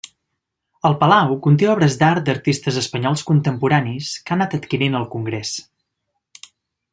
El palau conté obres d'art d'artistes espanyols contemporanis que ha anat adquirint el Congrés.